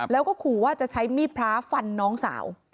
แล้วก็ขู่ว่าจะใช้มีดพระฟันน้องสาว